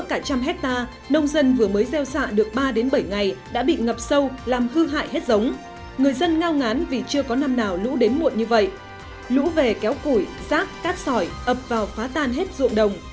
cả trăm hectare nông dân vừa mới gieo xạ được ba bảy ngày đã bị ngập sâu làm hư hại hết giống người dân ngao ngán vì chưa có năm nào lũ đến muộn như vậy lũ về kéo củi rác cát sỏi ập vào phá tan hết ruộng đồng